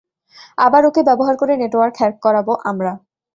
আবার ওকে ব্যবহার করে নেটওয়ার্ক হ্যাক করাবো আমরা।